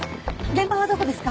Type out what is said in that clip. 現場はどこですか？